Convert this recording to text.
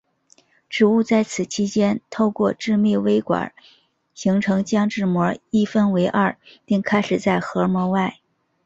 植物在此期间透过致密微管形成将质膜一分为二并开始在核膜外。